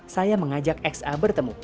saya mengajak xa bertemu